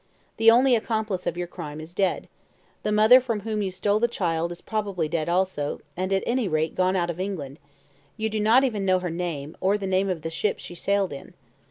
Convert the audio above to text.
The only accomplice of your crime is dead. The mother from whom you stole the child is probably dead also, and at any rate gone out of England you do not even know her name, or that of the ship she sailed in.